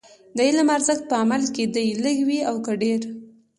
د علم ارزښت په عمل کې دی، لږ وي او که ډېر.